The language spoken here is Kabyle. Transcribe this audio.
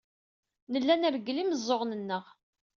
Nella nreggel imeẓẓuɣen-nneɣ.